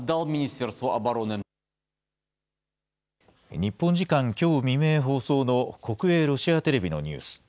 日本時間きょう未明放送の国営ロシアテレビのニュース。